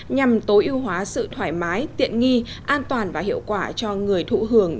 nhằm tối ưu hóa sự thoải mái tiện nghi an toàn và hiệu quả cho người thụ hưởng